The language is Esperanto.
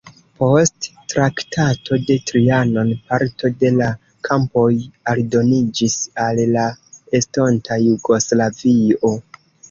Post Traktato de Trianon parto de la kampoj aldoniĝis al la estonta Jugoslavio.